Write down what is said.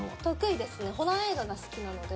ホラー映画が好きなので。